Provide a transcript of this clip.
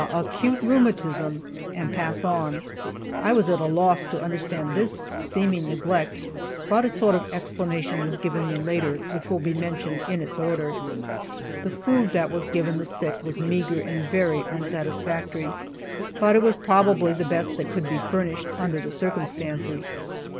acute rheumatism," and pass on. I was at a loss to understand this seeming neglect, but a sort of explanation was given me later, which will be mentioned in its order. The food that was given the sick was meager and very unsatisfactory, but it was probably the best that could be furnished, under the circumstances.